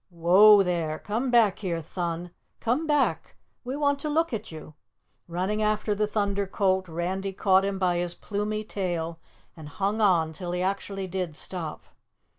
"Whoa, there! Come back here, Thun, come back; we want to look at you!" Running after the Thunder Colt, Randy caught him by his plumy tail and hung on till he actually did stop.